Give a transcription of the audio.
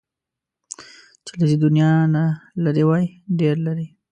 چې له دې دنيا نه لرې وای، ډېر لرې